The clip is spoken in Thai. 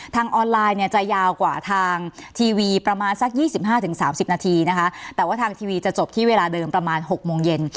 ทางออนไลน์เนี่ยจะยาวกว่าทางทีวีประมาณสัก๒๕๓๐นาทีนะคะแต่ว่าทางทีวีจะจบที่เวลาเดิมประมาณ๖โมงเย็น